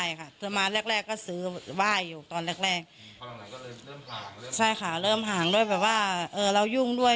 อยู่ตอนแรกแรงใช่ค่ะเริ่มห่างด้วยแบบว่าเออเรายุ่งด้วย